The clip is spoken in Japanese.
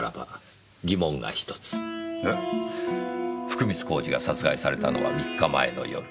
福光公次が殺害されたのは３日前の夜。